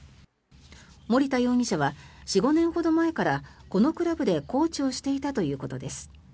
森田容疑者は４５年ほど前からこのクラブでコーチをしていたということです。